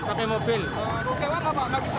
kau kecewa gak pak